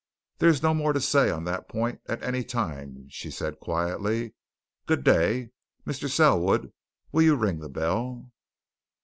"There is no more to say on that point at any time," she said quietly. "Good day. Mr. Selwood, will you ring the bell?"